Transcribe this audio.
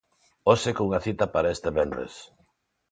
Hoxe cunha cita para este venres.